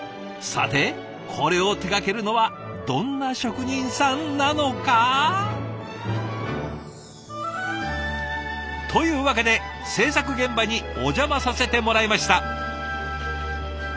さてこれを手がけるのはどんな職人さんなのか？というわけで制作現場にお邪魔させてもらいました。